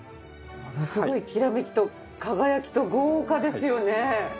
ものすごいきらめきと輝きと豪華ですよね。